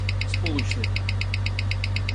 Сполучник